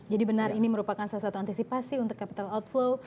jadi benar ini merupakan salah satu antisipasi untuk capital outflow